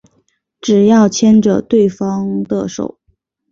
只要牵着对方的手